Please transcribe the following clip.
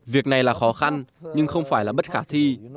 việc này là khó khăn nhưng không phải là bất hợp